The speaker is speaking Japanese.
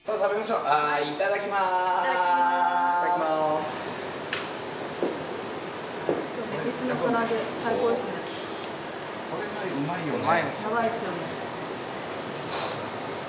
うまいですよね。